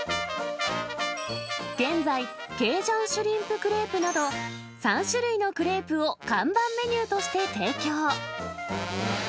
現在、ケイジャンシュリンプクレープなど、３種類のクレープを看板メニューとして提供。